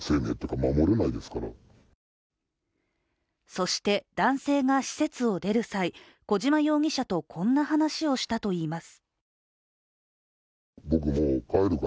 そして、男性が施設を出る際小島容疑者とこんな話をしたといいます。